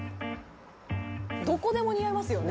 「どこでも似合いますよね。